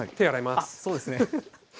あっそうですね。